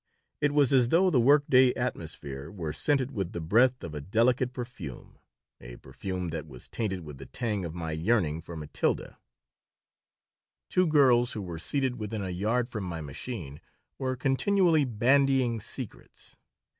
It was as though the workaday atmosphere were scented with the breath of a delicate perfume a perfume that was tainted with the tang of my yearning for Matilda Two girls who were seated within a yard from my machine were continually bandying secrets.